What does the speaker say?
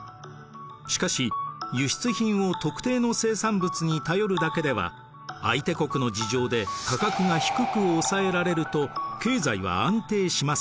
しかし輸出品を特定の生産物に頼るだけでは相手国の事情で価格が低く抑えられると経済は安定しません。